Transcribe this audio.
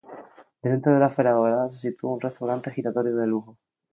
Dentro de la esfera dorada se sitúa un restaurante giratorio de lujo.